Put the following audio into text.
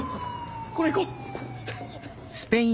これ行こう！